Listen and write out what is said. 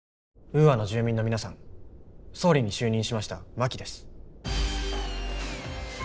ウーアの住民の皆さん総理に就任しました真木です。